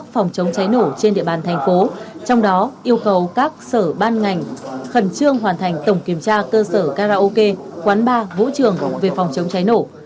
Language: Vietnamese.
phòng chống cháy nổ trên địa bàn thành phố trong đó yêu cầu các sở ban ngành khẩn trương hoàn thành tổng kiểm tra cơ sở karaoke quán bar vũ trường về phòng chống cháy nổ